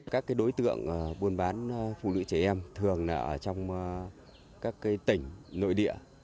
các đối tượng buôn bán phụ nữ trẻ em thường ở trong các tỉnh nội địa